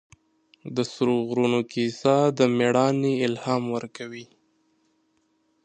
د سرو غرونو کیسه د مېړانې الهام ورکوي.